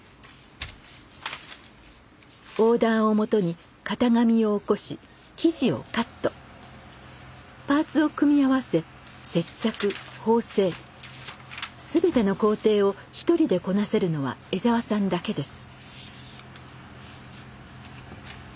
オーダーをもとに型紙をおこし生地をカットパーツを組み合わせ接着縫製全ての工程を一人でこなせるのは江澤さんだけです。